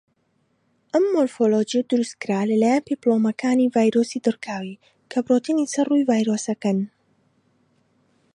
ئەم مۆرفۆلۆجیە دروستکرا لەلایەن پێپلۆمەکانی ڤایرۆسی دڕکاوی، کە پڕۆتینی سەر ڕووی ڤایرۆسەکەن.